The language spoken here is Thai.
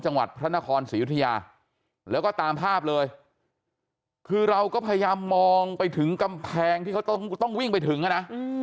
จังหวัดพระนครศรียุธยาแล้วก็ตามภาพเลยคือเราก็พยายามมองไปถึงกำแพงที่เขาต้องวิ่งไปถึงอ่ะนะ